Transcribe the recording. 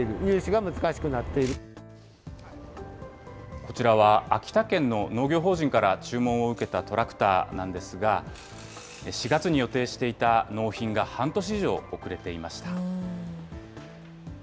こちらは、秋田県の農業法人から注文を受けたトラクターなんですが、４月に予定していた納品が半年以上遅れていました。